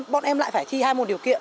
bọn em lại phải thi hai môn điều kiện